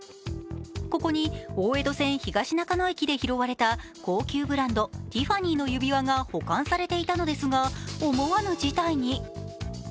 ここに大江戸線東中野駅で拾われた高級ブランド、ティファニーの指輪が保管されていたのですが、思わぬ事態に。